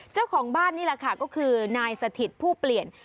เจ้าของบ้านนี่แหละค่ะก็คือนายสถิตผู้เปลี่ยน